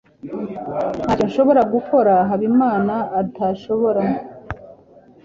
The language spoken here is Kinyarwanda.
Ntacyo nshobora gukora Habimana adashobora.